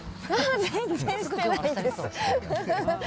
全然してないです。